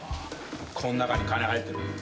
この中に金入ってる。